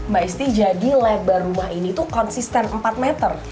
mbak isti jadi lebar rumah ini konsisten empat meter